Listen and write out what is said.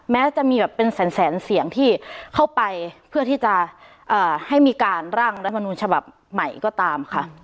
แม้จะมีแบบเป็นแสนเสียงที่เข้าไปเพื่อที่จะให้มีการร่างรัฐมนุนฉบับใหม่ก็ตามค่ะ